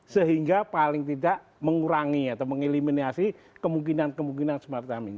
sehingga paling tidak mengurangi atau mengeliminasi kemungkinan kemungkinan semacam ini